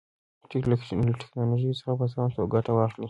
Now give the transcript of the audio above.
له ټیکنالوژۍ څخه په سمه توګه ګټه واخلئ.